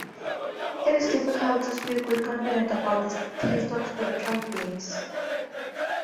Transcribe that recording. It is difficult to speak with confidence about the tastes of spiritual beings.